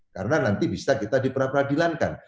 karena nanti bisa kita diperadilankan